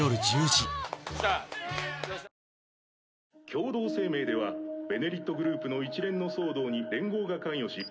共同声明では「ベネリット」グループの一連の騒動に連合が関与し。